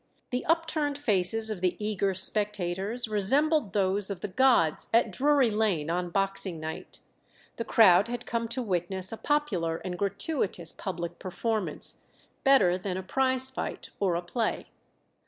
The upturned faces of the eager spectators resembled those of the 'gods' at Drury Lane on Boxing Night; the crowd had come to witness a popular and gratuitous public performance better than a prize fight or a play.